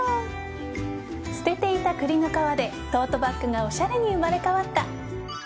捨てていたクリの皮でトートバッグがおしゃれに生まれ変わった